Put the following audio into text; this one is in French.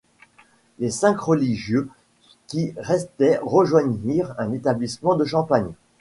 Les cinq religieux qui restaient rejoignirent un établissement de Champagne.